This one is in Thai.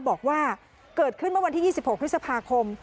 บอกว่าเกิดขึ้นเมื่อวันที่๒๖พฤษภาคม